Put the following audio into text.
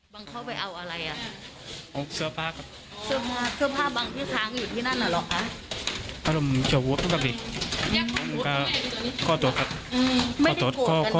บางเขาไปเอาอะไรอ่ะเอาเสื้อผ้าครับอ๋อเสื้อผ้าบางที่ทางอยู่ที่นั่นหรอคะ